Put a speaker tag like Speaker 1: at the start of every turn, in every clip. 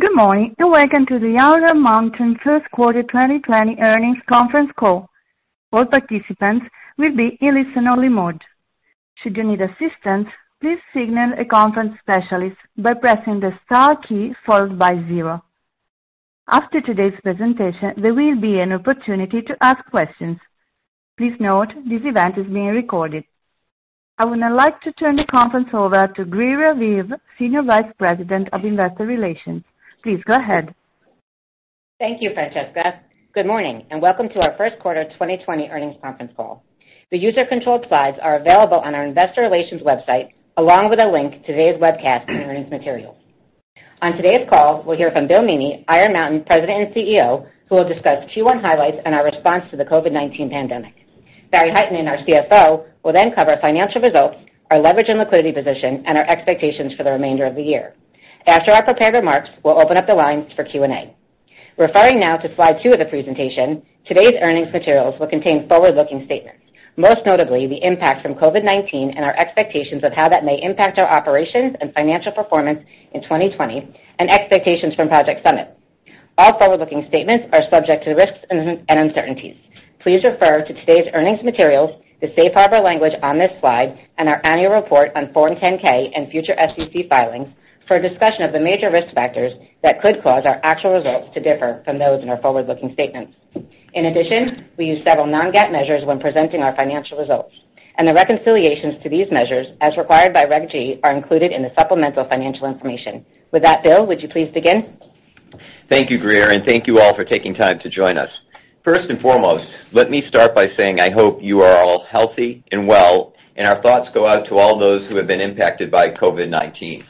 Speaker 1: Good morning. Welcome to the Iron Mountain first quarter 2020 earnings conference call. All participants will be in listen only mode. Should you need assistance, please signal a conference specialist by pressing the star key followed by zero. After today's presentation, there will be an opportunity to ask questions. Please note this event is being recorded. I would now like to turn the conference over to Greer Aviv, Senior Vice President, Investor Relations. Please go ahead.
Speaker 2: Thank you, Francesca. Good morning, and welcome to our first quarter 2020 earnings conference call. The user controlled slides are available on our investor relations website, along with a link to today's webcast and earnings materials. On today's call, we'll hear from Bill Meaney, Iron Mountain President and CEO, who will discuss Q1 highlights and our response to the COVID-19 pandemic. Barry Hytinen, our CFO, will cover financial results, our leverage and liquidity position, and our expectations for the remainder of the year. After our prepared remarks, we'll open up the lines for Q&A. Referring now to slide two of the presentation, today's earnings materials will contain forward-looking statements, most notably the impact from COVID-19 and our expectations of how that may impact our operations and financial performance in 2020, and expectations from Project Summit. All forward-looking statements are subject to risks and uncertainties. Please refer to today's earnings materials, the safe harbor language on this slide, and our annual report on Form 10-K and future SEC filings for a discussion of the major risk factors that could cause our actual results to differ from those in our forward-looking statements. In addition, we use several non-GAAP measures when presenting our financial results, and the reconciliations to these measures, as required by Reg G, are included in the supplemental financial information. With that, Bill, would you please begin?
Speaker 3: Thank you, Greer, and thank you all for taking time to join us. First and foremost, let me start by saying I hope you are all healthy and well, and our thoughts go out to all those who have been impacted by COVID-19.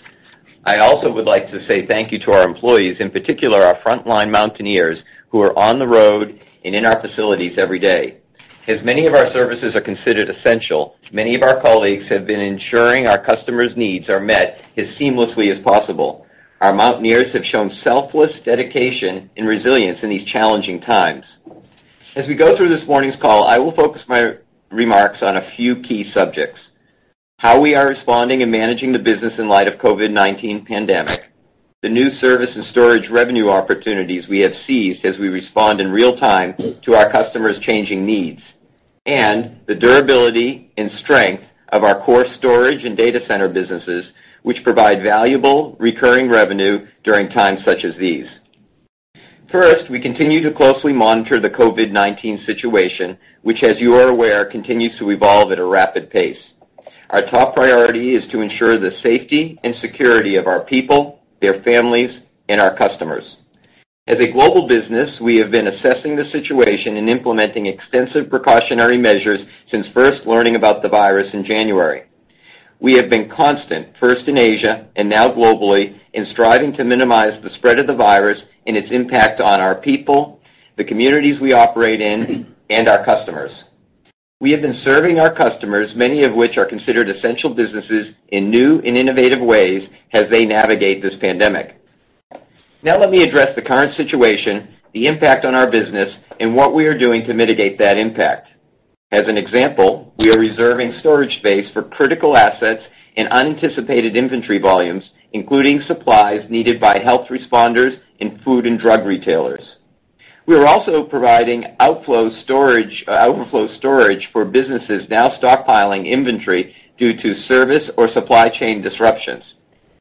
Speaker 3: I also would like to say thank you to our employees, in particular our frontline Mountaineers, who are on the road and in our facilities every day. As many of our services are considered essential, many of our colleagues have been ensuring our customers' needs are met as seamlessly as possible. Our Mountaineers have shown selfless dedication and resilience in these challenging times. As we go through this morning's call, I will focus my remarks on a few key subjects, how we are responding and managing the business in light of COVID-19 pandemic. The new service and storage revenue opportunities we have seized as we respond in real time to our customers' changing needs. The durability and strength of our core storage and data center businesses, which provide valuable recurring revenue during times such as these. First, we continue to closely monitor the COVID-19 situation, which, as you are aware, continues to evolve at a rapid pace. Our top priority is to ensure the safety and security of our people, their families, and our customers. As a global business, we have been assessing the situation and implementing extensive precautionary measures since first learning about the virus in January. We have been constant, first in Asia and now globally, in striving to minimize the spread of the virus and its impact on our people, the communities we operate in, and our customers. We have been serving our customers, many of which are considered essential businesses, in new and innovative ways as they navigate this pandemic. Now let me address the current situation, the impact on our business, and what we are doing to mitigate that impact. As an example, we are reserving storage space for critical assets and unanticipated inventory volumes, including supplies needed by health responders and food and drug retailers. We are also providing overflow storage for businesses now stockpiling inventory due to service or supply chain disruptions.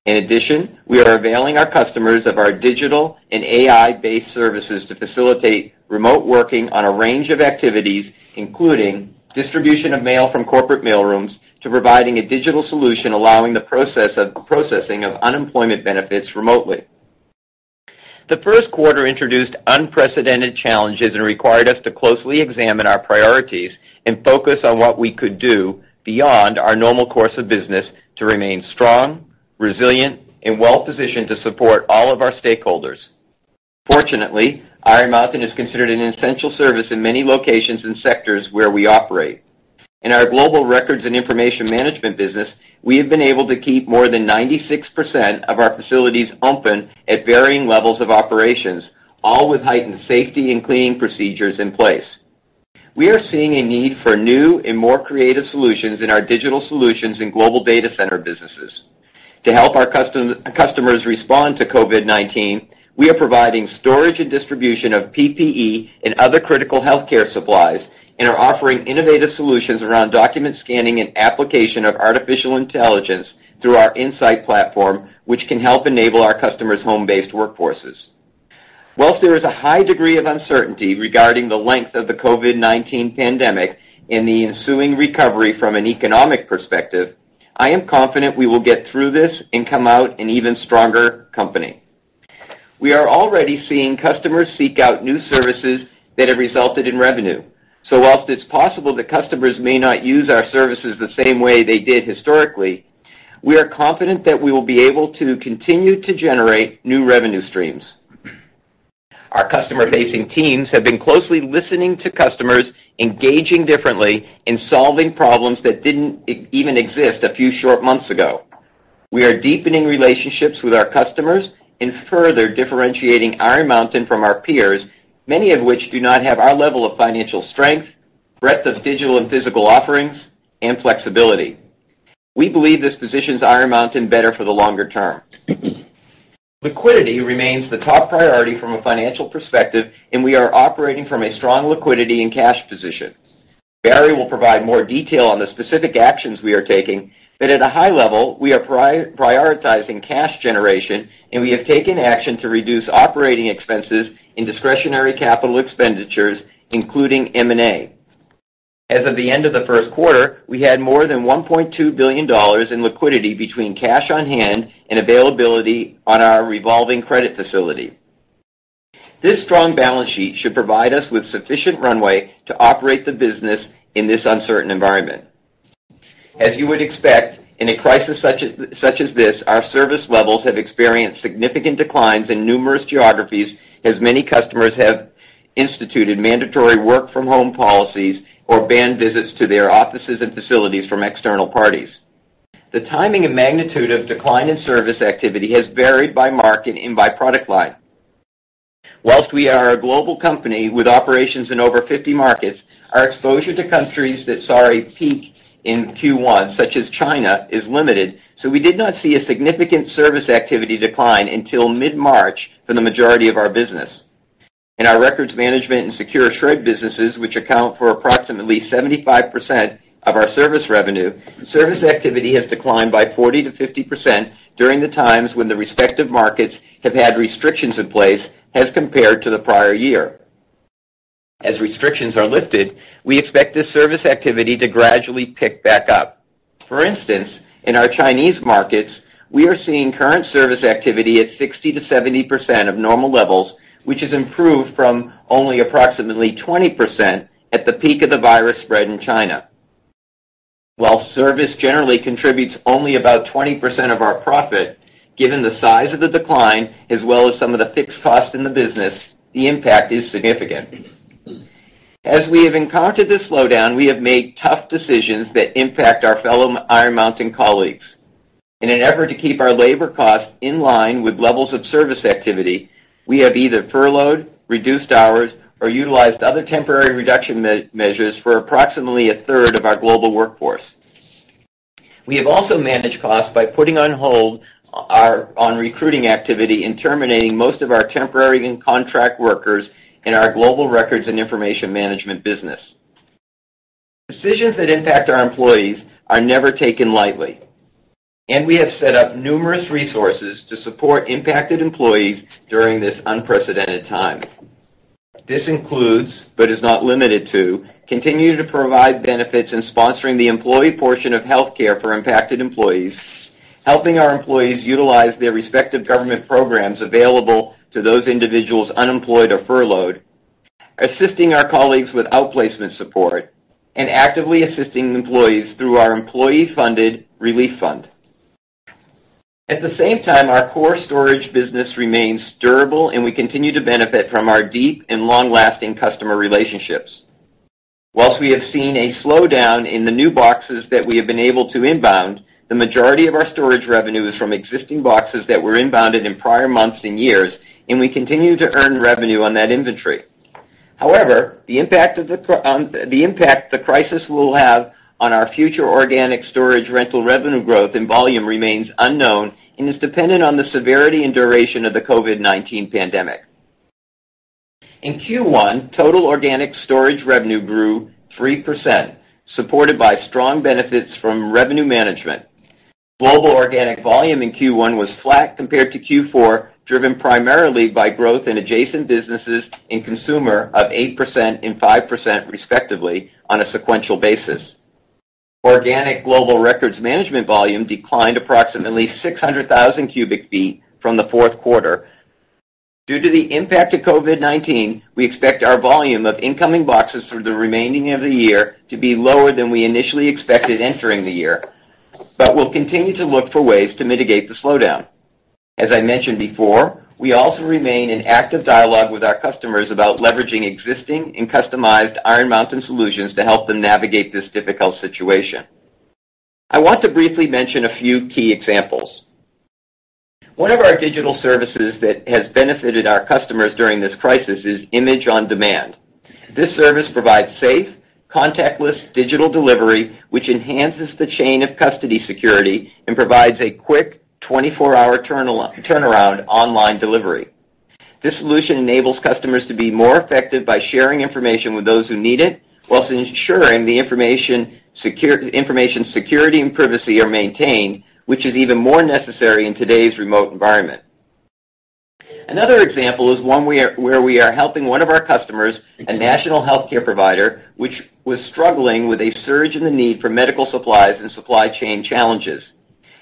Speaker 3: In addition, we are availing our customers of our digital and AI-based services to facilitate remote working on a range of activities, including distribution of mail from corporate mailrooms to providing a digital solution allowing the processing of unemployment benefits remotely. The first quarter introduced unprecedented challenges and required us to closely examine our priorities and focus on what we could do beyond our normal course of business to remain strong, resilient, and well-positioned to support all of our stakeholders. Fortunately, Iron Mountain is considered an essential service in many locations and sectors where we operate. In our Global Records and Information Management business, we have been able to keep more than 96% of our facilities open at varying levels of operations, all with heightened safety and cleaning procedures in place. We are seeing a need for new and more creative solutions in our Digital Solutions and Global Data Center businesses. To help our customers respond to COVID-19, we are providing storage and distribution of PPE and other critical healthcare supplies, and are offering innovative solutions around document scanning and application of artificial intelligence through our InSight platform, which can help enable our customers' home-based workforces. Whilst there is a high degree of uncertainty regarding the length of the COVID-19 pandemic and the ensuing recovery from an economic perspective, I am confident we will get through this and come out an even stronger company. We are already seeing customers seek out new services that have resulted in revenue. Whilst it's possible that customers may not use our services the same way they did historically, we are confident that we will be able to continue to generate new revenue streams. Our customer-facing teams have been closely listening to customers, engaging differently, and solving problems that didn't even exist a few short months ago. We are deepening relationships with our customers and further differentiating Iron Mountain from our peers, many of which do not have our level of financial strength, breadth of digital and physical offerings, and flexibility. We believe this positions Iron Mountain better for the longer term. Liquidity remains the top priority from a financial perspective, and we are operating from a strong liquidity and cash position. Barry will provide more detail on the specific actions we are taking, but at a high level, we are prioritizing cash generation, and we have taken action to reduce operating expenses and discretionary capital expenditures, including M&A. As of the end of the first quarter, we had more than $1.2 billion in liquidity between cash on hand and availability on our revolving credit facility. This strong balance sheet should provide us with sufficient runway to operate the business in this uncertain environment. As you would expect in a crisis such as this, our service levels have experienced significant declines in numerous geographies as many customers have instituted mandatory work-from-home policies or banned visits to their offices and facilities from external parties. The timing and magnitude of decline in service activity has varied by market and by product line. Whilst we are a global company with operations in over 50 markets, our exposure to countries that saw a peak in Q1, such as China, is limited, so we did not see a significant service activity decline until mid-March for the majority of our business. In our records management and secure shred businesses, which account for approximately 75% of our service revenue, service activity has declined by 40%-50% during the times when the respective markets have had restrictions in place as compared to the prior year. As restrictions are lifted, we expect this service activity to gradually pick back up. For instance, in our Chinese markets, we are seeing current service activity at 60%-70% of normal levels, which has improved from only approximately 20% at the peak of the virus spread in China. While service generally contributes only about 20% of our profit, given the size of the decline, as well as some of the fixed costs in the business, the impact is significant. As we have encountered this slowdown, we have made tough decisions that impact our fellow Iron Mountain colleagues. In an effort to keep our labor costs in line with levels of service activity, we have either furloughed, reduced hours, or utilized other temporary reduction measures for approximately a third of our global workforce. We have also managed costs by putting on hold our recruiting activity and terminating most of our temporary and contract workers in our Global Records and Information Management business. Decisions that impact our employees are never taken lightly, and we have set up numerous resources to support impacted employees during this unprecedented time. This includes, but is not limited to, continuing to provide benefits and sponsoring the employee portion of healthcare for impacted employees, helping our employees utilize their respective government programs available to those individuals unemployed or furloughed, assisting our colleagues with outplacement support, and actively assisting employees through our employee-funded relief fund. At the same time, our core storage business remains durable, and we continue to benefit from our deep and long-lasting customer relationships. Whilst we have seen a slowdown in the new boxes that we have been able to inbound, the majority of our storage revenue is from existing boxes that were inbounded in prior months and years, and we continue to earn revenue on that inventory. However, the impact the crisis will have on our future organic storage rental revenue growth and volume remains unknown and is dependent on the severity and duration of the COVID-19 pandemic. In Q1, total organic storage revenue grew 3%, supported by strong benefits from revenue management. Global organic volume in Q1 was flat compared to Q4, driven primarily by growth in adjacent businesses and consumer of 8% and 5%, respectively, on a sequential basis. Organic global records management volume declined approximately 600,000 cubic feet from the fourth quarter. Due to the impact of COVID-19, we expect our volume of incoming boxes for the remaining of the year to be lower than we initially expected entering the year, but we'll continue to look for ways to mitigate the slowdown. As I mentioned before, we also remain in active dialogue with our customers about leveraging existing and customized Iron Mountain solutions to help them navigate this difficult situation. I want to briefly mention a few key examples. One of our digital services that has benefited our customers during this crisis is Image on Demand. This service provides safe, contactless digital delivery, which enhances the chain of custody security and provides a quick 24 hour turnaround online delivery. This solution enables customers to be more effective by sharing information with those who need it while ensuring the information security and privacy are maintained, which is even more necessary in today's remote environment. Another example is one where we are helping one of our customers, a national healthcare provider, which was struggling with a surge in the need for medical supplies and supply chain challenges.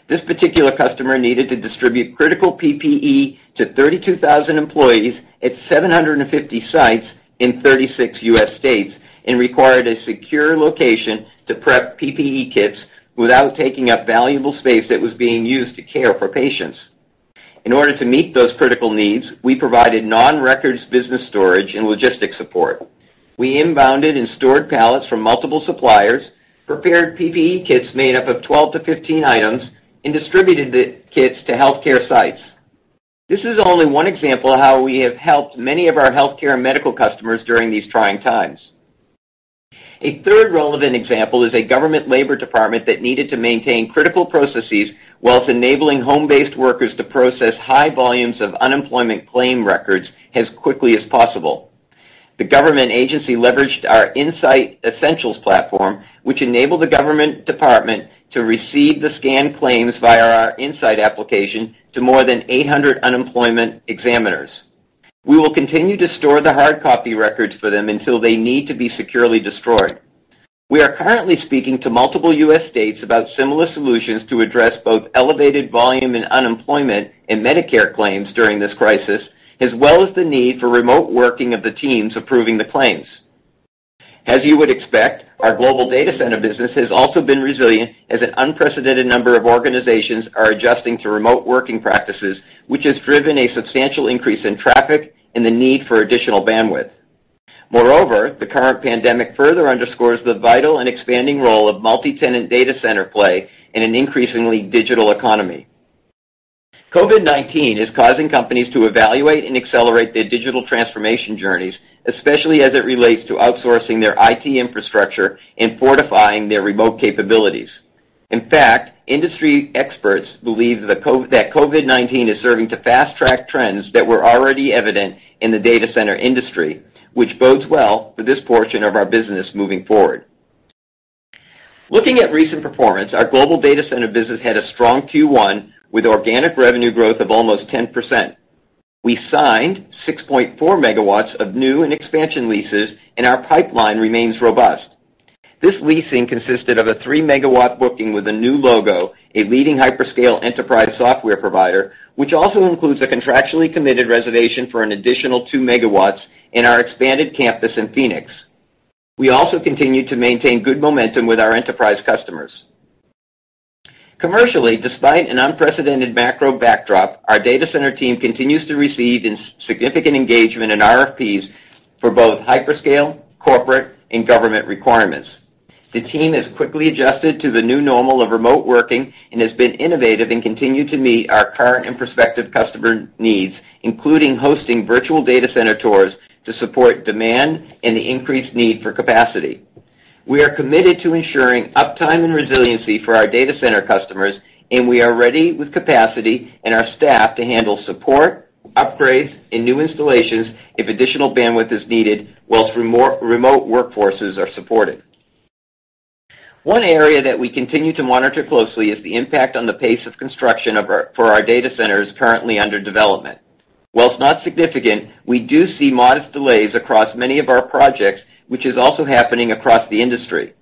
Speaker 3: This particular customer needed to distribute critical PPE to 32,000 employees at 750 sites in 36 U.S. states and required a secure location to prep PPE kits without taking up valuable space that was being used to care for patients. In order to meet those critical needs, we provided non-records business storage and logistics support. We inbounded and stored pallets from multiple suppliers, prepared PPE kits made up of 12 to 15 items, and distributed the kits to healthcare sites. This is only one example of how we have helped many of our healthcare and medical customers during these trying times. A third relevant example is a government labor department that needed to maintain critical processes while enabling home-based workers to process high volumes of unemployment claim records as quickly as possible. The government agency leveraged our InSight Essential Edition platform, which enabled the government department to receive the scanned claims via our InSight application to more than 800 unemployment examiners. We will continue to store the hard copy records for them until they need to be securely destroyed. We are currently speaking to multiple U.S. states about similar solutions to address both elevated volume in unemployment and Medicare claims during this crisis, as well as the need for remote working of the teams approving the claims. As you would expect, our global data center business has also been resilient as an unprecedented number of organizations are adjusting to remote working practices, which has driven a substantial increase in traffic and the need for additional bandwidth. Moreover, the current pandemic further underscores the vital and expanding role a multi-tenant data center play in an increasingly digital economy. COVID-19 is causing companies to evaluate and accelerate their digital transformation journeys, especially as it relates to outsourcing their IT infrastructure and fortifying their remote capabilities. In fact, industry experts believe that COVID-19 is serving to fast-track trends that were already evident in the data center industry, which bodes well for this portion of our business moving forward. Looking at recent performance, our global data center business had a strong Q1 with organic revenue growth of almost 10%. We signed 6.4MW of new and expansion leases, and our pipeline remains robust. This leasing consisted of a three-megawatt booking with a new logo, a leading hyperscale enterprise software provider, which also includes a contractually committed reservation for an additional two megawatts in our expanded campus in Phoenix. We also continue to maintain good momentum with our enterprise customers. Commercially, despite an unprecedented macro backdrop, our data center team continues to receive significant engagement in RFPs for both hyperscale, corporate, and government requirements. The team has quickly adjusted to the new normal of remote working and has been innovative and continue to meet our current and prospective customer needs, including hosting virtual data center tours to support demand and the increased need for capacity. We are committed to ensuring uptime and resiliency for our data center customers, and we are ready with capacity and our staff to handle support, upgrades, and new installations if additional bandwidth is needed while remote workforces are supported. One area that we continue to monitor closely is the impact on the pace of construction for our data centers currently under development. While not significant, we do see modest delays across many of our projects, which is also happening across the industry.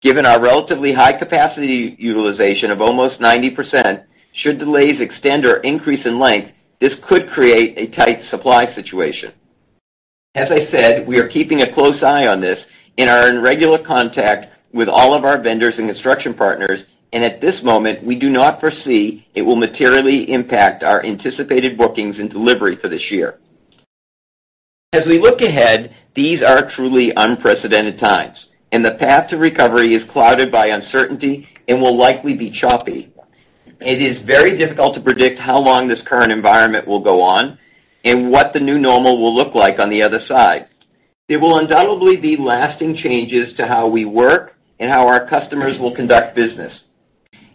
Speaker 3: Given our relatively high capacity utilization of almost 90%, should delays extend or increase in length, this could create a tight supply situation. As I said, we are keeping a close eye on this and are in regular contact with all of our vendors and construction partners. At this moment, we do not foresee it will materially impact our anticipated bookings and delivery for this year. As we look ahead, these are truly unprecedented times, and the path to recovery is clouded by uncertainty and will likely be choppy. It is very difficult to predict how long this current environment will go on and what the new normal will look like on the other side. There will undoubtedly be lasting changes to how we work and how our customers will conduct business.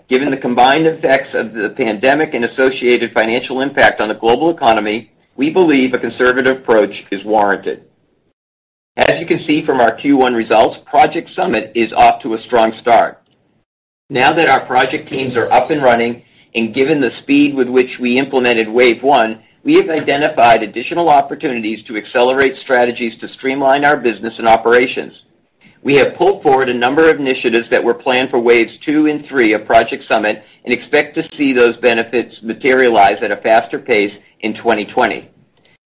Speaker 3: Given the combined effects of the pandemic and associated financial impact on the global economy, we believe a conservative approach is warranted. As you can see from our Q1 results, Project Summit is off to a strong start. Now that our project teams are up and running, and given the speed with which we implemented wave one, we have identified additional opportunities to accelerate strategies to streamline our business and operations. We have pulled forward a number of initiatives that were planned for waves two and three of Project Summit and expect to see those benefits materialize at a faster pace in 2020.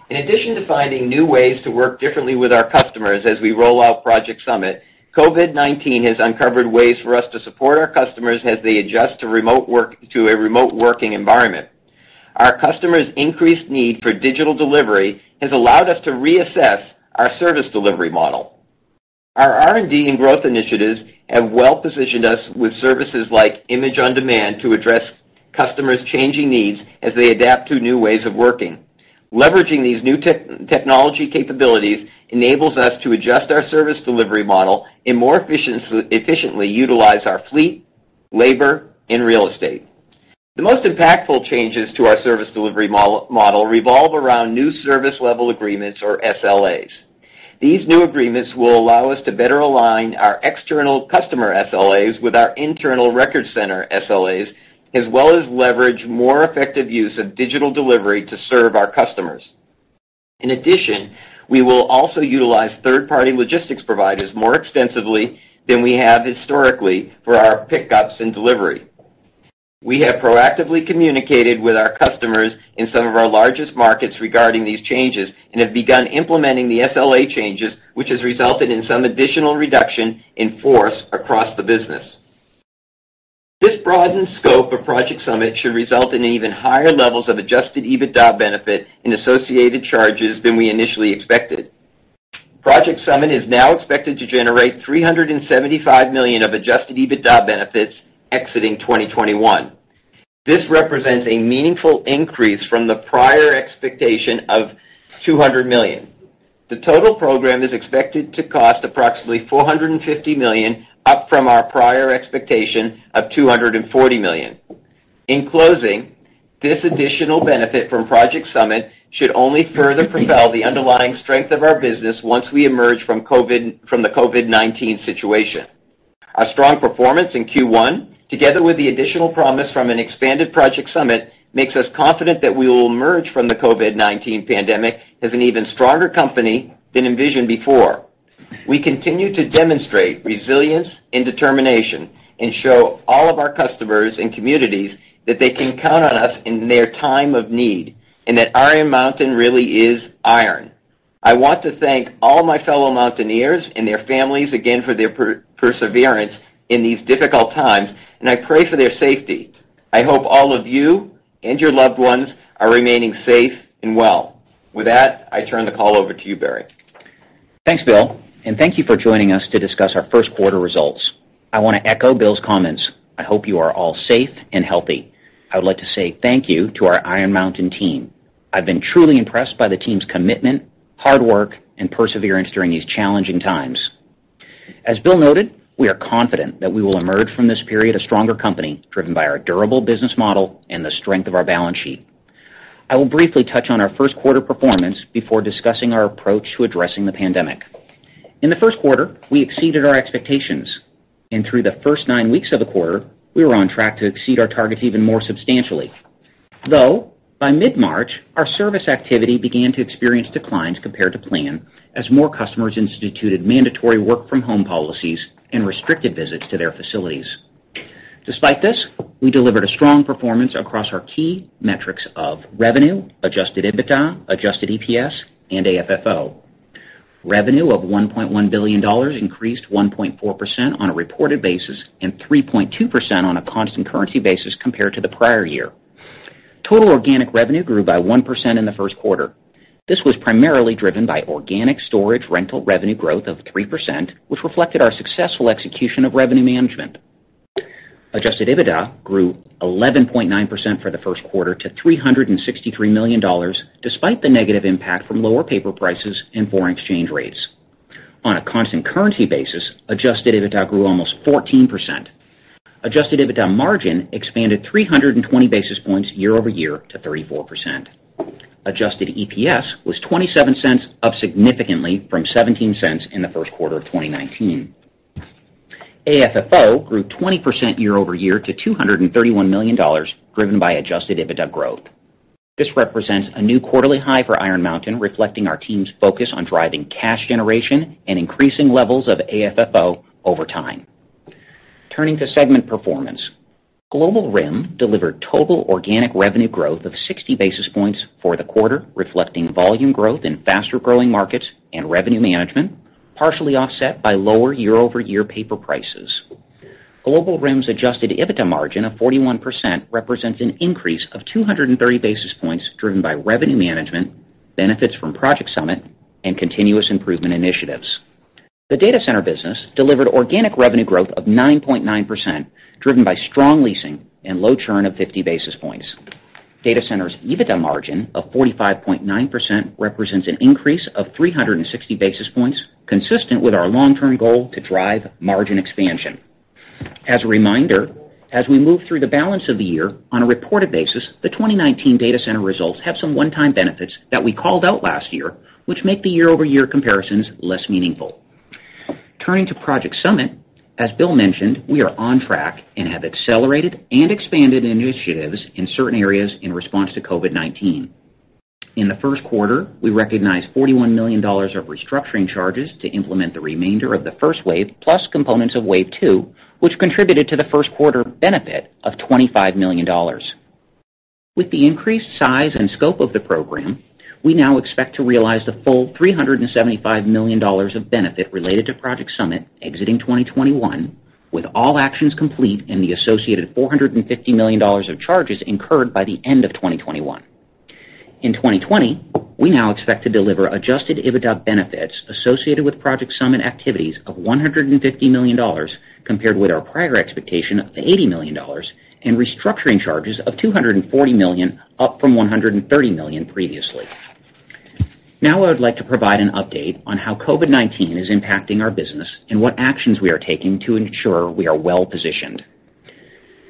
Speaker 3: In addition to finding new ways to work differently with our customers as we roll out Project Summit, COVID-19 has uncovered ways for us to support our customers as they adjust to a remote working environment. Our customers' increased need for digital delivery has allowed us to reassess our service delivery model. Our R&D and growth initiatives have well-positioned us with services like Image on Demand to address customers' changing needs as they adapt to new ways of working. Leveraging these new technology capabilities enables us to adjust our service delivery model and more efficiently utilize our fleet, labor, and real estate. The most impactful changes to our service delivery model revolve around new service level agreements or SLAs. These new agreements will allow us to better align our external customer SLAs with our internal record center SLAs, as well as leverage more effective use of digital delivery to serve our customers. In addition, we will also utilize third-party logistics providers more extensively than we have historically for our pickups and delivery. We have proactively communicated with our customers in some of our largest markets regarding these changes and have begun implementing the SLA changes, which has resulted in some additional reduction in force across the business. This broadened scope of Project Summit should result in even higher levels of adjusted EBITDA benefit and associated charges than we initially expected. Project Summit is now expected to generate $375 million of adjusted EBITDA benefits exiting 2021. This represents a meaningful increase from the prior expectation of $200 million. The total program is expected to cost approximately $450 million, up from our prior expectation of $240 million. In closing, this additional benefit from Project Summit should only further propel the underlying strength of our business once we emerge from the COVID-19 situation. Our strong performance in Q1, together with the additional promise from an expanded Project Summit, makes us confident that we will emerge from the COVID-19 pandemic as an even stronger company than envisioned before. We continue to demonstrate resilience and determination and show all of our customers and communities that they can count on us in their time of need, and that Iron Mountain really is iron. I want to thank all my fellow Mountaineers and their families again for their perseverance in these difficult times, and I pray for their safety. I hope all of you and your loved ones are remaining safe and well. With that, I turn the call over to you, Barry.
Speaker 4: Thanks, Bill, and thank you for joining us to discuss our first quarter results. I want to echo Bill's comments. I hope you are all safe and healthy. I would like to say thank you to our Iron Mountain team. I've been truly impressed by the team's commitment, hard work, and perseverance during these challenging times. As Bill noted, we are confident that we will emerge from this period a stronger company, driven by our durable business model and the strength of our balance sheet. I will briefly touch on our first quarter performance before discussing our approach to addressing the pandemic. In the first quarter, we exceeded our expectations. Through the first nine weeks of the quarter, we were on track to exceed our targets even more substantially. By mid-March, our service activity began to experience declines compared to plan as more customers instituted mandatory work-from-home policies and restricted visits to their facilities. Despite this, we delivered a strong performance across our key metrics of revenue, adjusted EBITDA, adjusted EPS, and AFFO. Revenue of $1.1 billion increased 1.4% on a reported basis and 3.2% on a constant currency basis compared to the prior year. Total organic revenue grew by 1% in the first quarter. This was primarily driven by organic storage rental revenue growth of 3%, which reflected our successful execution of revenue management. Adjusted EBITDA grew 11.9% for the first quarter to $363 million, despite the negative impact from lower paper prices and foreign exchange rates. On a constant currency basis, adjusted EBITDA grew almost 14%. Adjusted EBITDA margin expanded 320 basis points year-over-year to 34%. Adjusted EPS was $0.27, up significantly from $0.17 in the first quarter of 2019. AFFO grew 20% year-over-year to $231 million, driven by adjusted EBITDA growth. This represents a new quarterly high for Iron Mountain, reflecting our team's focus on driving cash generation and increasing levels of AFFO over time. Turning to segment performance. Global RIM delivered total organic revenue growth of 60 basis points for the quarter, reflecting volume growth in faster-growing markets and revenue management, partially offset by lower year-over-year paper prices. Global RIM's adjusted EBITDA margin of 41% represents an increase of 230 basis points, driven by revenue management, benefits from Project Summit, and continuous improvement initiatives. The data center business delivered organic revenue growth of 9.9%, driven by strong leasing and low churn of 50 basis points. Data center's EBITDA margin of 45.9% represents an increase of 360 basis points, consistent with our long-term goal to drive margin expansion. As a reminder, as we move through the balance of the year, on a reported basis, the 2019 data center results have some one-time benefits that we called out last year, which make the year-over-year comparisons less meaningful. Turning to Project Summit, as Bill mentioned, we are on track and have accelerated and expanded initiatives in certain areas in response to COVID-19. In the first quarter, we recognized $41 million of restructuring charges to implement the remainder of the first wave, plus components of wave two, which contributed to the first quarter benefit of $25 million. With the increased size and scope of the program, we now expect to realize the full $375 million of benefit related to Project Summit exiting 2021, with all actions complete and the associated $450 million of charges incurred by the end of 2021. In 2020, we now expect to deliver adjusted EBITDA benefits associated with Project Summit activities of $150 million, compared with our prior expectation of $80 million, and restructuring charges of $240 million, up from $130 million previously. I would like to provide an update on how COVID-19 is impacting our business and what actions we are taking to ensure we are well-positioned.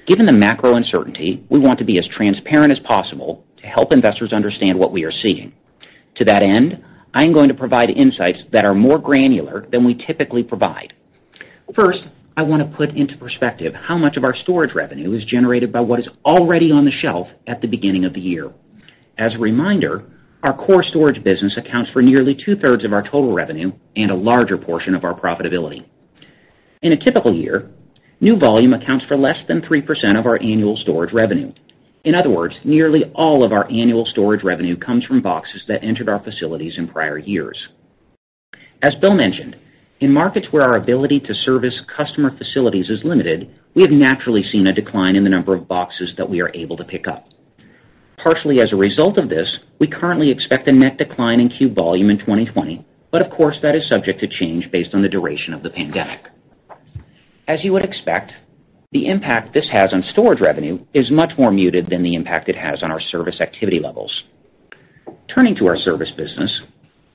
Speaker 4: Given the macro uncertainty, we want to be as transparent as possible to help investors understand what we are seeing. To that end, I am going to provide insights that are more granular than we typically provide. First, I want to put into perspective how much of our storage revenue is generated by what is already on the shelf at the beginning of the year. As a reminder, our core storage business accounts for nearly 2/3 of our total revenue and a larger portion of our profitability. In a typical year, new volume accounts for less than 3% of our annual storage revenue. In other words, nearly all of our annual storage revenue comes from boxes that entered our facilities in prior years. As Bill mentioned, in markets where our ability to service customer facilities is limited, we have naturally seen a decline in the number of boxes that we are able to pick up. Partially as a result of this, we currently expect a net decline in cube volume in 2020, but of course, that is subject to change based on the duration of the pandemic. As you would expect, the impact this has on storage revenue is much more muted than the impact it has on our service activity levels. Turning to our service business,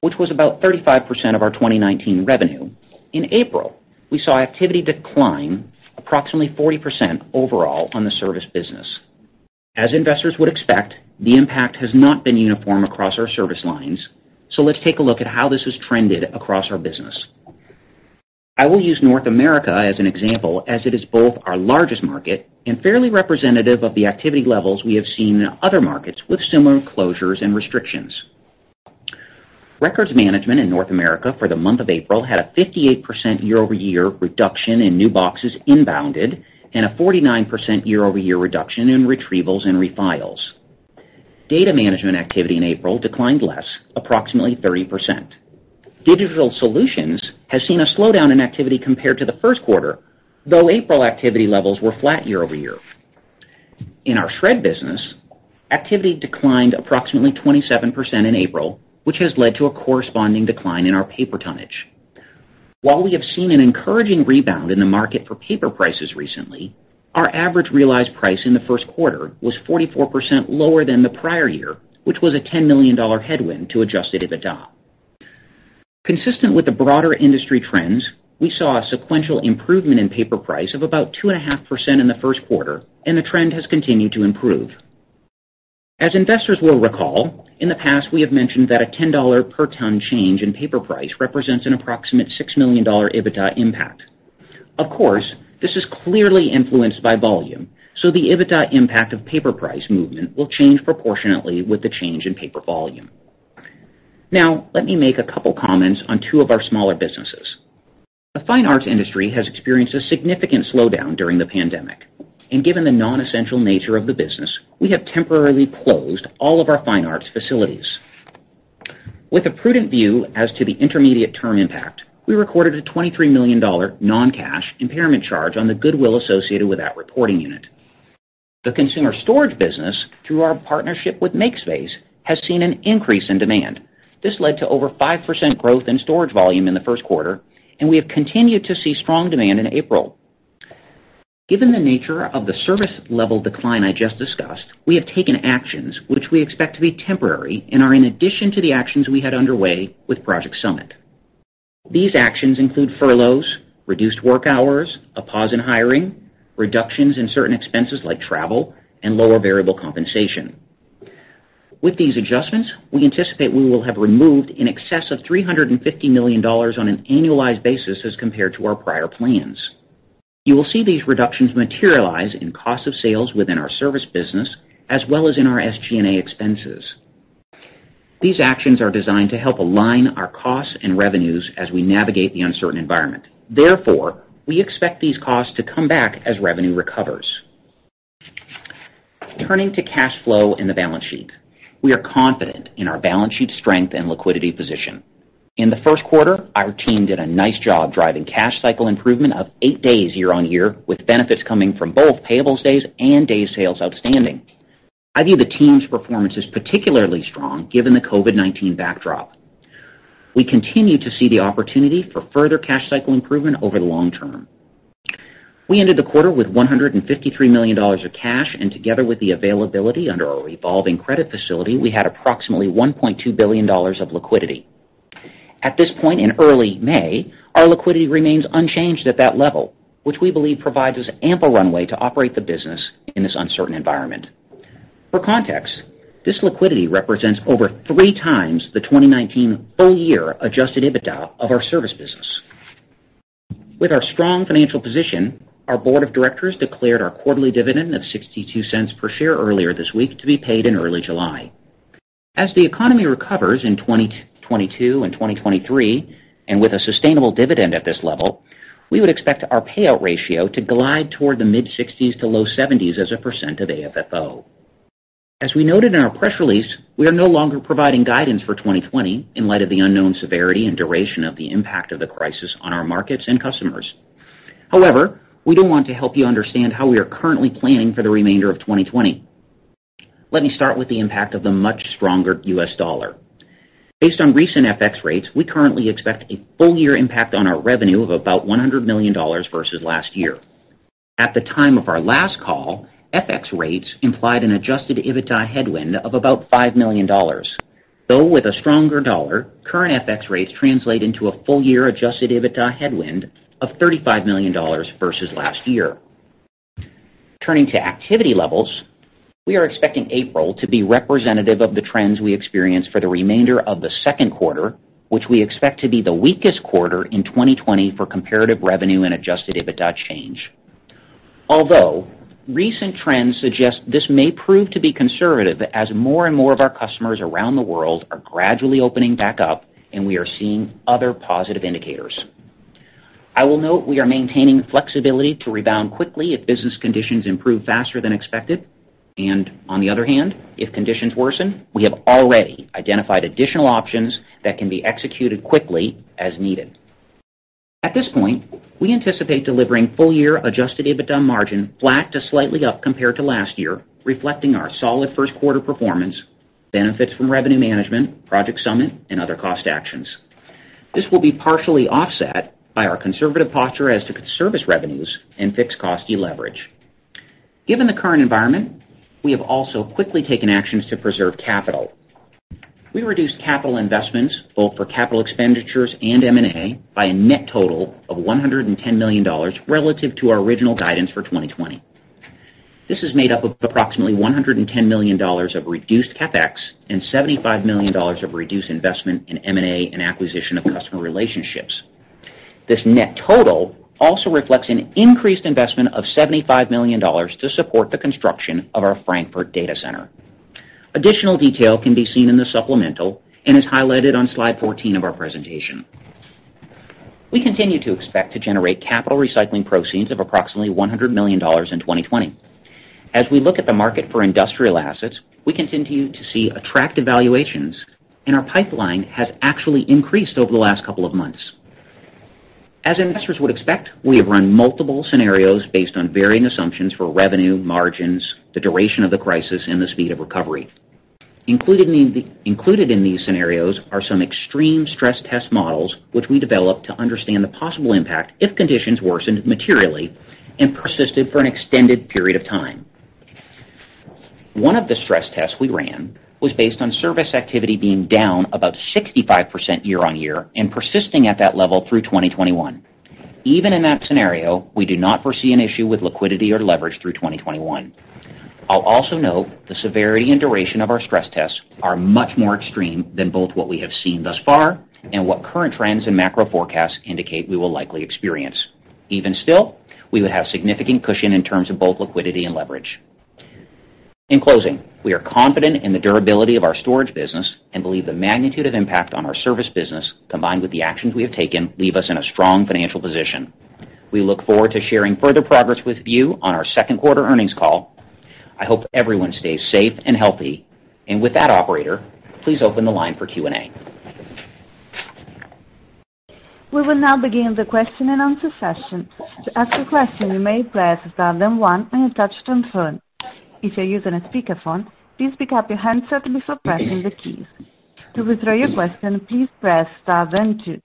Speaker 4: which was about 35% of our 2019 revenue, in April, we saw activity decline approximately 40% overall on the service business. As investors would expect, the impact has not been uniform across our service lines. Let's take a look at how this has trended across our business. I will use North America as an example, as it is both our largest market and fairly representative of the activity levels we have seen in other markets with similar closures and restrictions. Records management in North America for the month of April had a 58% year-over-year reduction in new boxes inbounded and a 49% year-over-year reduction in retrievals and refiles. Data management activity in April declined less, approximately 30%. Digital Solutions has seen a slowdown in activity compared to the first quarter, though April activity levels were flat year-over-year. In our shred business, activity declined approximately 27% in April, which has led to a corresponding decline in our paper tonnage. While we have seen an encouraging rebound in the market for paper prices recently, our average realized price in the first quarter was 44% lower than the prior year, which was a $10 million headwind to adjusted EBITDA. Consistent with the broader industry trends, we saw a sequential improvement in paper price of about 2.5% in the first quarter. The trend has continued to improve. As investors will recall, in the past we have mentioned that a $10 per ton change in paper price represents an approximate $6 million EBITDA impact. Of course, this is clearly influenced by volume, so the EBITDA impact of paper price movement will change proportionately with the change in paper volume. Now, let me make a couple comments on two of our smaller businesses. The fine arts industry has experienced a significant slowdown during the pandemic, and given the non-essential nature of the business, we have temporarily closed all of our fine arts facilities. With a prudent view as to the intermediate-term impact, we recorded a $23 million non-cash impairment charge on the goodwill associated with that reporting unit. The consumer storage business, through our partnership with MakeSpace, has seen an increase in demand. This led to over 5% growth in storage volume in the first quarter, and we have continued to see strong demand in April. Given the nature of the service-level decline I just discussed, we have taken actions which we expect to be temporary and are in addition to the actions we had underway with Project Summit. These actions include furloughs, reduced work hours, a pause in hiring, reductions in certain expenses like travel, and lower variable compensation. With these adjustments, we anticipate we will have removed in excess of $350 million on an annualized basis as compared to our prior plans. You will see these reductions materialize in cost of sales within our service business as well as in our SG&A expenses. These actions are designed to help align our costs and revenues as we navigate the uncertain environment. Therefore, we expect these costs to come back as revenue recovers. Turning to cash flow and the balance sheet. We are confident in our balance sheet strength and liquidity position. In Q1, our team did a nice job driving cash cycle improvement of eight days year-on-year, with benefits coming from both payables days and days sales outstanding. I view the team's performance as particularly strong given the COVID-19 backdrop. We continue to see the opportunity for further cash cycle improvement over the long term. We ended the quarter with $153 million of cash, and together with the availability under our revolving credit facility, we had approximately $1.2 billion of liquidity. At this point in early May, our liquidity remains unchanged at that level, which we believe provides us ample runway to operate the business in this uncertain environment. For context, this liquidity represents over three times the 2019 full-year adjusted EBITDA of our service business. With our strong financial position, our board of directors declared our quarterly dividend of $0.62 per share earlier this week to be paid in early July. As the economy recovers in 2022 and 2023, and with a sustainable dividend at this level, we would expect our payout ratio to glide toward the mid-60s to low 70s as a percent of AFFO. As we noted in our press release, we are no longer providing guidance for 2020 in light of the unknown severity and duration of the impact of the crisis on our markets and customers. We do want to help you understand how we are currently planning for the remainder of 2020. Let me start with the impact of the much stronger U.S. dollar. Based on recent FX rates, we currently expect a full-year impact on our revenue of about $100 million versus last year. At the time of our last call, FX rates implied an adjusted EBITDA headwind of about $5 million. With a stronger dollar, current FX rates translate into a full-year adjusted EBITDA headwind of $35 million versus last year. Turning to activity levels, we are expecting April to be representative of the trends we experience for the remainder of the second quarter, which we expect to be the weakest quarter in 2020 for comparative revenue and adjusted EBITDA change. Recent trends suggest this may prove to be conservative as more and more of our customers around the world are gradually opening back up and we are seeing other positive indicators. I will note we are maintaining flexibility to rebound quickly if business conditions improve faster than expected. On the other hand, if conditions worsen, we have already identified additional options that can be executed quickly as needed. At this point, we anticipate delivering full-year adjusted EBITDA margin flat to slightly up compared to last year, reflecting our solid first quarter performance, benefits from revenue management, Project Summit, and other cost actions. This will be partially offset by our conservative posture as to service revenues and fixed cost deleverage. Given the current environment, we have also quickly taken actions to preserve capital. We reduced capital investments, both for capital expenditures and M&A, by a net total of $110 million relative to our original guidance for 2020. This is made up of approximately $110 million of reduced CapEx and $75 million of reduced investment in M&A and acquisition of customer relationships. This net total also reflects an increased investment of $75 million to support the construction of our Frankfurt data center. Additional detail can be seen in the supplemental and is highlighted on slide 14 of our presentation. We continue to expect to generate capital recycling proceeds of approximately $100 million in 2020. As we look at the market for industrial assets, we continue to see attractive valuations, and our pipeline has actually increased over the last couple of months. As investors would expect, we have run multiple scenarios based on varying assumptions for revenue, margins, the duration of the crisis, and the speed of recovery. Included in these scenarios are some extreme stress test models which we developed to understand the possible impact if conditions worsened materially and persisted for an extended period of time. One of the stress tests we ran was based on service activity being down about 65% year-over-year and persisting at that level through 2021. Even in that scenario, we do not foresee an issue with liquidity or leverage through 2021. I'll also note the severity and duration of our stress tests are much more extreme than both what we have seen thus far and what current trends and macro forecasts indicate we will likely experience. Even still, we would have significant cushion in terms of both liquidity and leverage. In closing, we are confident in the durability of our storage business and believe the magnitude of impact on our service business, combined with the actions we have taken, leave us in a strong financial position. We look forward to sharing further progress with you on our second quarter earnings call. I hope everyone stays safe and healthy. With that, operator, please open the line for Q&A.
Speaker 1: We will now begin the question and answer session. To ask a question, you may press star then one on your touch-tone phone. If you're using a speakerphone, please pick up your handset before pressing the keys. To withdraw your question, please press star then two.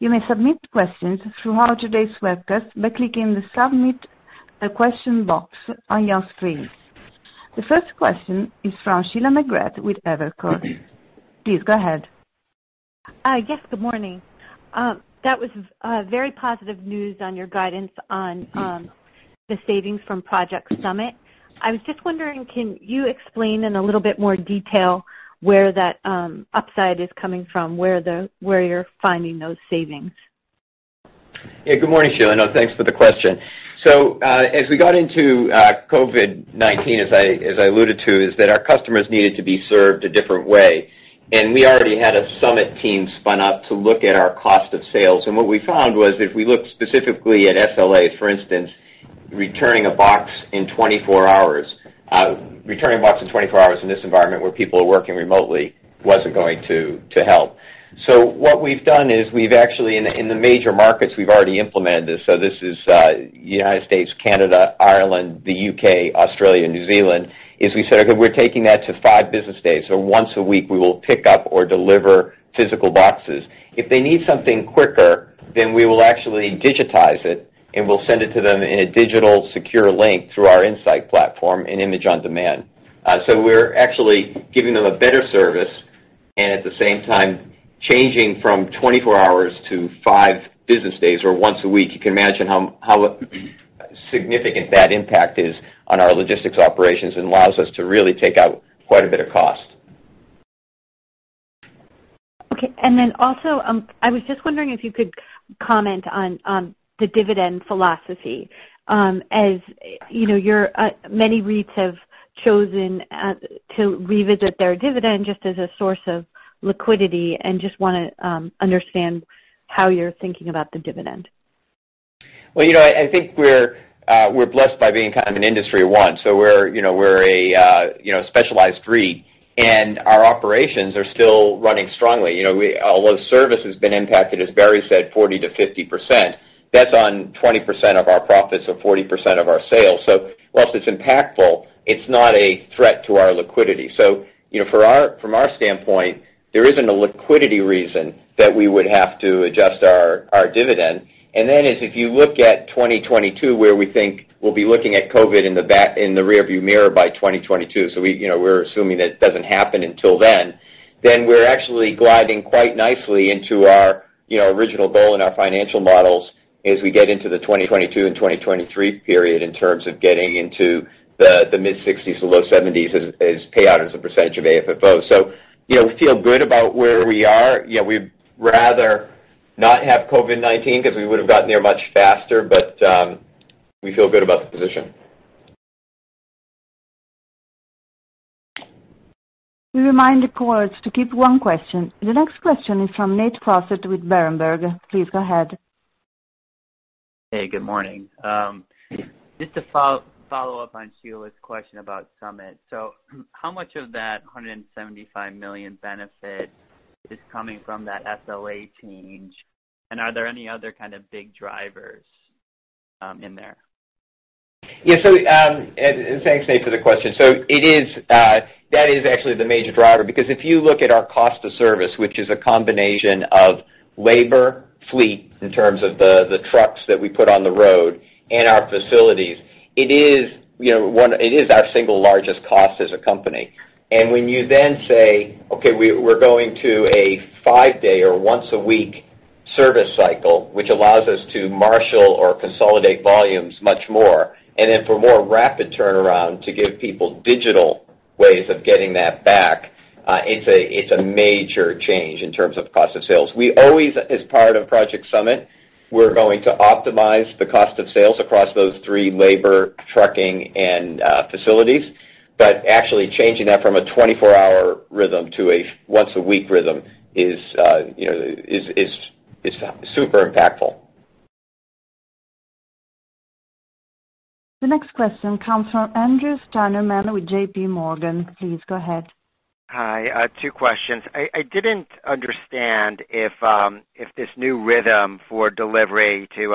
Speaker 1: You may submit questions throughout today's webcast by clicking the Submit a Question box on your screen. The first question is from Sheila McGrath with Evercore. Please go ahead.
Speaker 5: Yes, good morning. That was very positive news on your guidance on the savings from Project Summit. I was just wondering, can you explain in a little bit more detail where that upside is coming from, where you're finding those savings?
Speaker 3: Yeah, good morning, Sheila, thanks for the question. As we got into COVID-19, as I alluded to, is that our customers needed to be served a different way. We already had a Summit team spun up to look at our cost of sales. What we found was, if we looked specifically at SLAs, for instance, returning a box in 24 hours in this environment where people are working remotely wasn't going to help. What we've done is we've actually, in the major markets, we've already implemented this. This is U.S., Canada, Ireland, the U.K., Australia, New Zealand, is we said, "Okay, we're taking that to five business days." Once a week we will pick up or deliver physical boxes. If they need something quicker, we will actually digitize it, and we'll send it to them in a digital secure link through our InSight platform and Image on Demand. We're actually giving them a better service and at the same time changing from 24 hours to five business days or once a week. You can imagine how significant that impact is on our logistics operations and allows us to really take out quite a bit of cost.
Speaker 5: Also, I was just wondering if you could comment on the dividend philosophy. You know, many REITs have chosen to revisit their dividend just as a source of liquidity. Just want to understand how you're thinking about the dividend.
Speaker 3: Well, I think we're blessed by being kind of an industry of one. We're a specialized REIT, and our operations are still running strongly. Although service has been impacted, as Barry said, 40%-50%, that's on 20% of our profits or 40% of our sales. Whilst it's impactful, it's not a threat to our liquidity. From our standpoint, there isn't a liquidity reason that we would have to adjust our dividend. If you look at 2022, where we think we'll be looking at COVID in the rear view mirror by 2022. We're assuming that it doesn't happen until then we're actually gliding quite nicely into our original goal and our financial models as we get into the 2022 and 2023 period in terms of getting into the mid-60s to low 70s as payout as a percentage of AFFO. We feel good about where we are. We'd rather not have COVID-19 because we would have gotten there much faster, but we feel good about the position.
Speaker 1: We remind the callers to keep one question. The next question is from Nate Crossett with Berenberg. Please go ahead.
Speaker 6: Hey, good morning. Just to follow up on Sheila's question about Project Summit. How much of that $175 million benefit is coming from that SLA change? Are there any other kind of big drivers in there?
Speaker 3: Thanks, Nate, for the question. That is actually the major driver, because if you look at our cost of service, which is a combination of labor, fleet, in terms of the trucks that we put on the road, and our facilities, it is our single largest cost as a company. When you then say, "Okay, we're going to a five-day or once a week service cycle," which allows us to marshal or consolidate volumes much more, and then for more rapid turnaround to give people digital ways of getting that back, it's a major change in terms of cost of sales. We always, as part of Project Summit, we're going to optimize the cost of sales across those three labor, trucking, and facilities. Actually changing that from a 24-hour rhythm to a once a week rhythm is super impactful.
Speaker 1: The next question comes from Andrew Steinerman with JPMorgan. Please go ahead.
Speaker 7: Hi. Two questions. I didn't understand if this new rhythm for delivery to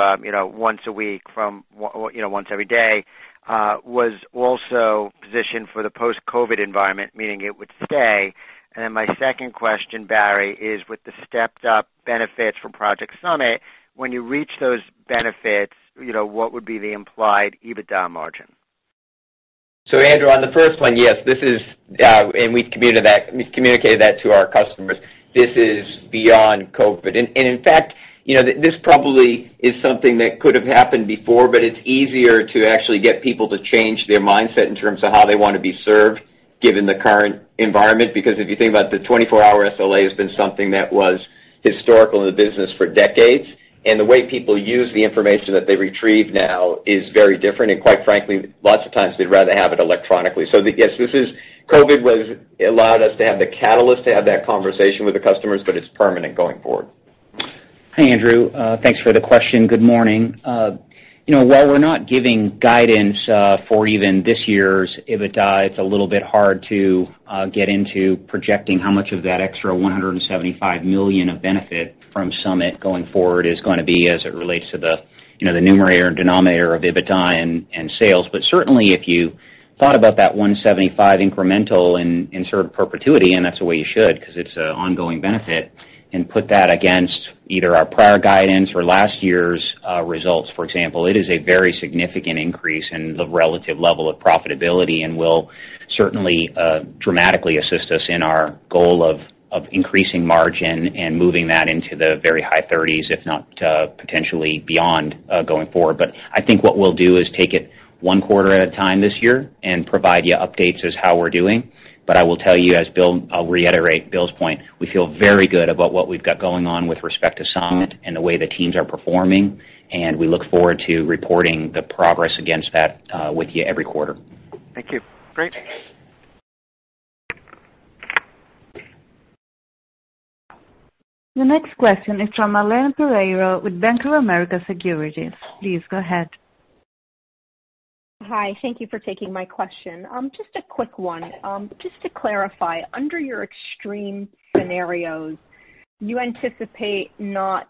Speaker 7: once a week from once every day, was also positioned for the post-COVID environment, meaning it would stay. My second question, Barry, is with the stepped-up benefits from Project Summit, when you reach those benefits, what would be the implied EBITDA margin?
Speaker 3: Andrew, on the first one, yes, and we've communicated that to our customers. This is beyond COVID. In fact, this probably is something that could have happened before, but it's easier to actually get people to change their mindset in terms of how they want to be served, given the current environment. If you think about the 24-hour SLA has been something that was historical in the business for decades, and the way people use the information that they retrieve now is very different. Quite frankly, lots of times they'd rather have it electronically. Yes, COVID allowed us to have the catalyst to have that conversation with the customers, but it's permanent going forward.
Speaker 4: Hi, Andrew. Thanks for the question. Good morning. While we're not giving guidance for even this year's EBITDA, it's a little bit hard to get into projecting how much of that extra $175 million of benefit from Summit going forward is going to be as it relates to the numerator and denominator of EBITDA and sales. Certainly, if you thought about that $175 incremental in sort of perpetuity, and that's the way you should, because it's an ongoing benefit, and put that against either our prior guidance or last year's results, for example, it is a very significant increase in the relative level of profitability and will certainly dramatically assist us in our goal of increasing margin and moving that into the very high 30s, if not potentially beyond, going forward. I think what we'll do is take it one quarter at a time this year and provide you updates as how we're doing. I will tell you as Bill, I'll reiterate Bill's point. We feel very good about what we've got going on with respect to Summit and the way the teams are performing, and we look forward to reporting the progress against that with you every quarter.
Speaker 7: Thank you. Great.
Speaker 1: The next question is from Marlane Pereiro with Bank of America Securities. Please go ahead.
Speaker 8: Hi. Thank you for taking my question. Just a quick one. Just to clarify, under your extreme scenarios, you anticipate not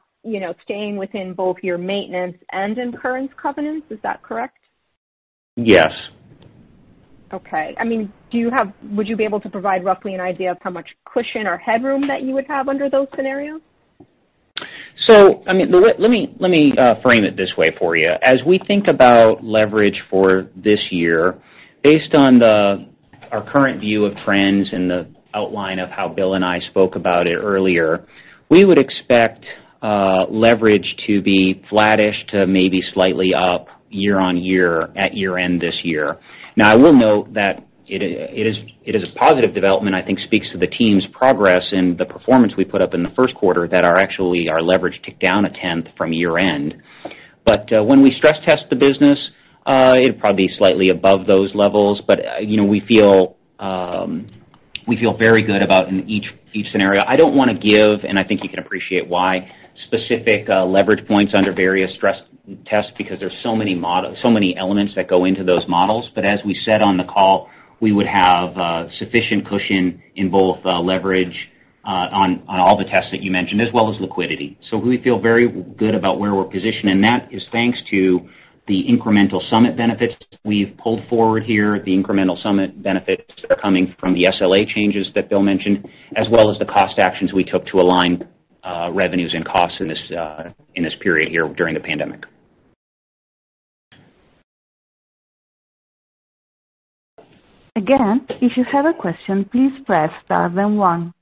Speaker 8: staying within both your maintenance and incurrence covenants, is that correct?
Speaker 4: Yes.
Speaker 8: Okay. Would you be able to provide roughly an idea of how much cushion or headroom that you would have under those scenarios?
Speaker 4: Let me frame it this way for you. As we think about leverage for this year, based on our current view of trends and the outline of how Bill and I spoke about it earlier, we would expect leverage to be flattish to maybe slightly up year-on-year at year-end this year. I will note that it is a positive development, I think speaks to the team's progress and the performance we put up in the first quarter that actually our leverage ticked down a tenth from year-end. When we stress test the business, it'll probably be slightly above those levels. We feel very good about in each scenario. I don't want to give, and I think you can appreciate why, specific leverage points under various stress tests, because there's so many elements that go into those models. As we said on the call, we would have sufficient cushion in both leverage on all the tests that you mentioned, as well as liquidity. We feel very good about where we're positioned, and that is thanks to the incremental Summit benefits we've pulled forward here. The incremental Summit benefits are coming from the SLA changes that Bill mentioned, as well as the cost actions we took to align revenues and costs in this period here during the pandemic.
Speaker 1: Again, if you have a question, please press star then one.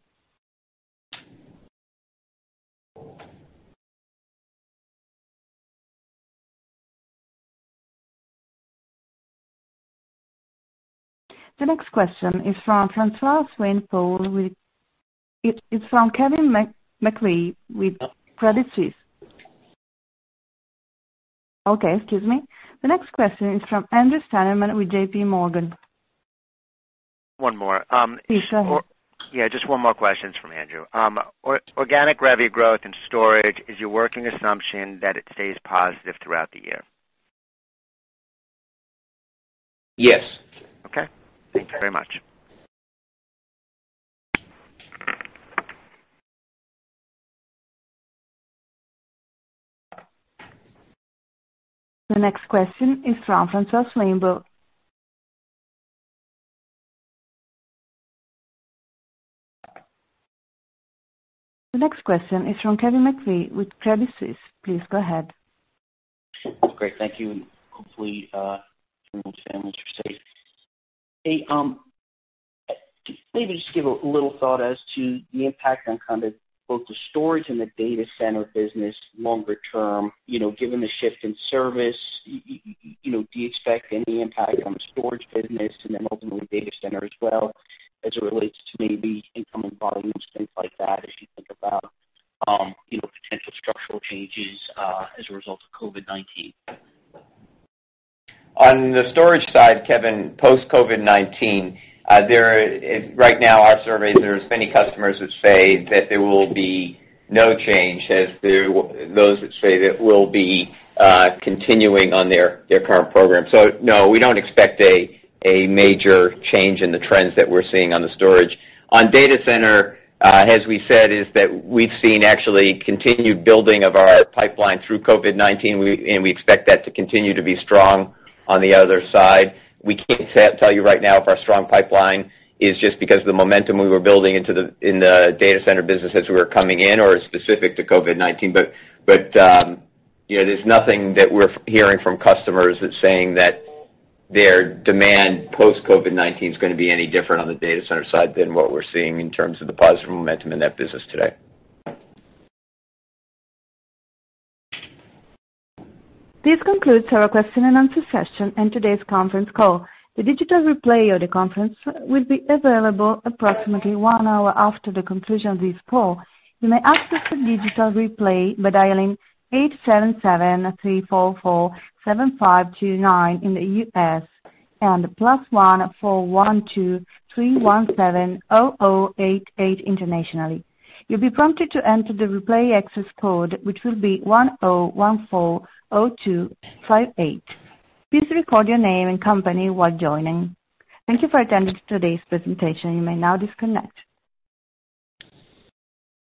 Speaker 1: The next question is from Kevin McVeigh with Credit Suisse. Okay, excuse me. The next question is from Andrew Steinerman with JPMorgan.
Speaker 7: One more.
Speaker 1: Please go ahead.
Speaker 7: Yeah, just one more question from Andrew. Organic revenue growth and storage, is your working assumption that it stays positive throughout the year?
Speaker 3: Yes.
Speaker 7: Okay. Thank you very much.
Speaker 1: The next question is from Francois Rainbow. The next question is from Kevin McVeigh with Credit Suisse. Please go ahead.
Speaker 9: Great. Thank you. Hopefully, everyone's families are safe. Maybe just give a little thought as to the impact on kind of both the storage and the data center business longer term. Given the shift in service, do you expect any impact on the storage business and then ultimately data center as well as it relates to maybe incoming volume, things like that, as you think about potential structural changes as a result of COVID-19?
Speaker 3: On the storage side, Kevin, post COVID-19, right now our survey, there's many customers which say that there will be no change as those that say that we'll be continuing on their current program. No, we don't expect a major change in the trends that we're seeing on the storage. On data center, as we said, is that we've seen actually continued building of our pipeline through COVID-19, we expect that to continue to be strong on the other side. We can't tell you right now if our strong pipeline is just because of the momentum we were building in the data center business as we were coming in or specific to COVID-19. There's nothing that we're hearing from customers that's saying that their demand post COVID-19 is going to be any different on the data center side than what we're seeing in terms of the positive momentum in that business today.
Speaker 1: This concludes our question and answer session and today's conference call. The digital replay of the conference will be available approximately one hour after the conclusion of this call. You may access the digital replay by dialing 8773447529 in the U.S., and +14123170088 internationally. You'll be prompted to enter the replay access code, which will be 10140258. Please record your name and company while joining. Thank you for attending today's presentation. You may now disconnect.